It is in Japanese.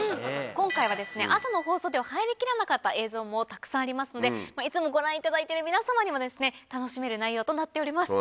今回は朝の放送では入りきらなかった映像もたくさんありますのでいつもご覧いただいている皆様にも楽しめる内容となっております。